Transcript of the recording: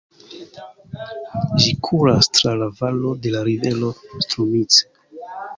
Ĝi kuras tra la valo de la rivero Strumice.